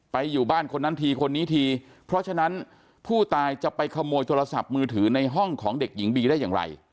อยู่บ้านคนนั้นทีคนนี้ทีเพราะฉะนั้นผู้ตายจะไปขโมยโทรศัพท์มือถือในห้องของเด็กหญิงบีได้อย่างไร